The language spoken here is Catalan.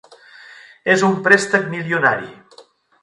És un préstec milionari.